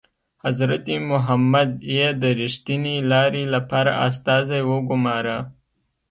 حضرت محمد یې د ریښتینې لارې لپاره استازی وګوماره.